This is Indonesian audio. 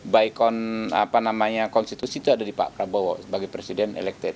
baik konstitusi itu ada di pak prabowo sebagai presiden elected